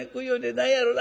何やろな？